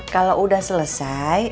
kalo udah selesai